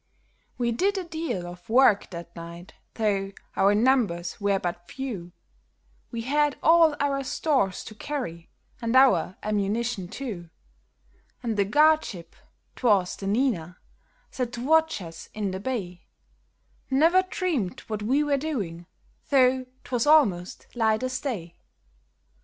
64 DECEMBER 26, I9IO We did a deal of work that night, though our numbers were but few ; We had all our stores to carry, and our ammunition too ; And the guard ship — 'twas the Nina — set to watch us in the bay, Never dreamed what we were doing, though 'twas almost light as day.